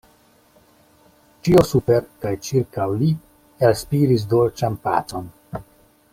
Ĉio super kaj ĉirkaŭ li elspiris dolĉan pacon.